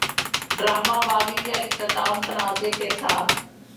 drama Baaghi کا اختتام تنازعے کے ساتھ